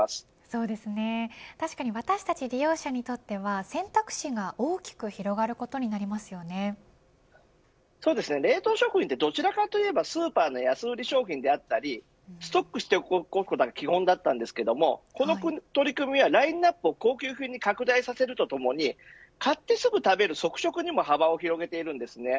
確かに私たち利用者にとっては選択肢が大きくそうですね、冷凍食品はどちらかというとスーパーの安売り商品だったりストックしておくことが基本だったんですがこの取り組みはラインアップを高級品に拡大させるとともに買ってすぐ食べる即食にも幅を広げているんです。